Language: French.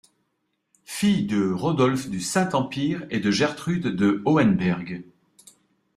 Fille de Rodolphe du Saint-Empire et de Gertrude de Hohenberg.